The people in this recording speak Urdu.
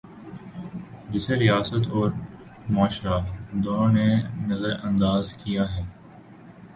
جسے ریاست اور معاشرہ، دونوں نے نظر انداز کیا ہے۔